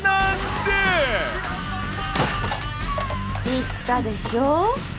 言ったでしょう？